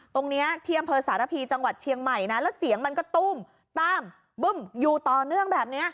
ตรงนี้ที่อำเภอสารพีจังหวัดเชียงใหม่นะแล้วเสียงมันก็ตุ้มต้ามบึ้มอยู่ต่อเนื่องแบบนี้